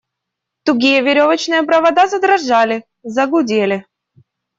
Тугие веревочные провода задрожали, загудели.